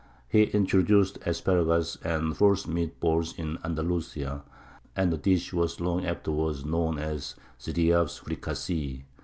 He introduced asparagus and force meat balls to Andalusia, and a dish was long afterwards known as "Ziryāb's fricassee."